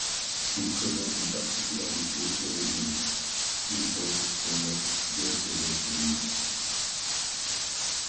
Il présente une particularité originale, il pond son œuf directement sur une branche.